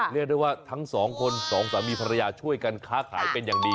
เรียกได้ว่าทั้งสองคนสองสามีภรรยาช่วยกันค้าขายเป็นอย่างดี